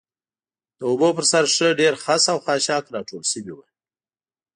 د اوبو پر سر ښه ډېر خس او خاشاک راټول شوي و.